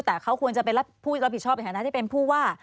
แต่เขาควรจะเป็นผู้รับผิดชอบในฐานะที่เป็นผู้ว่า